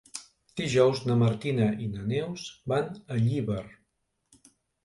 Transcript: Dijous na Martina i na Neus van a Llíber.